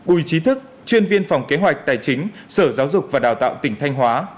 bùi trí thức chuyên viên phòng kế hoạch tài chính sở giáo dục và đào tạo tỉnh thanh hóa